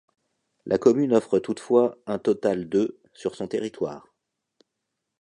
La commune offre toutefois un total de sur son territoire.